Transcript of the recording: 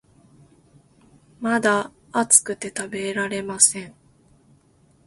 まだ熱くて食べられません